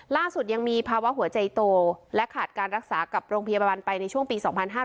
ล่าสุดยังมีภาวะหัวใจโตและขาดการรักษากับโรงพยาบาลไปในช่วงปี๒๕๕๙